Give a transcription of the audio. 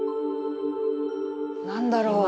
何だろう？